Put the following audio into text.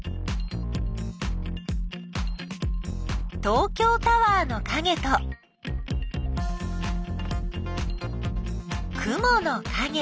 東京タワーのかげと雲のかげ。